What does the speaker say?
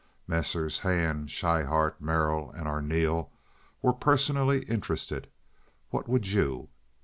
Messrs. Hand, Schryhart, Merrill, and Arneel were personally interested! What would you?